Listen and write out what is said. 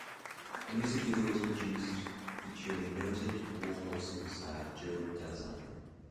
A music video was produced featuring noted Warhol superstar Joe Dallesandro.